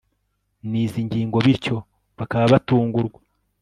n'izi ngingo bityo bakaba batungurwa